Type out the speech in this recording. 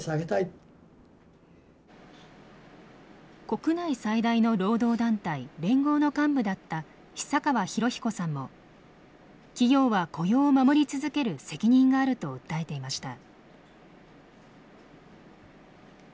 国内最大の労働団体連合の幹部だった久川博彦さんも企業は雇用を守り続ける責任があると訴えていました。